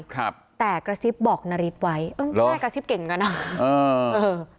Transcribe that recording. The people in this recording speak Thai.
ครับแต่กระซิบบอกนาริสไว้เออแม่กระซิบเก่งกันอ่ะเออเออ